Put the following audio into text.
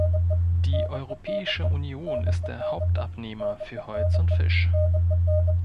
Die Europäische Union ist der Hauptabnehmer für Holz und Fisch.